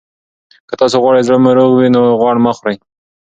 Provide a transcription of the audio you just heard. که تاسي غواړئ زړه مو روغ وي، نو غوړ مه خورئ.